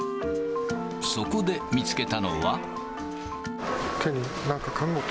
そこで見つけたのは。